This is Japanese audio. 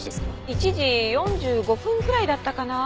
１時４５分くらいだったかな？